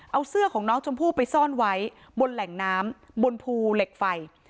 เอาเสื้อของน้องชมพู่ไปซ่อนไว้บนแหล่งน้ำบนภูเหล็กไฟ